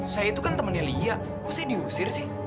saya itu kan temannya lia kok saya diusir sih